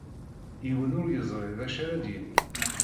Yiwen ur yeẓri d acu ara d-yini.